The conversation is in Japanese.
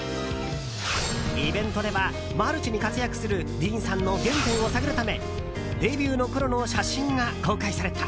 イベントでは、マルチに活躍するディーンさんの原点を探るためデビューのころの写真が公開された。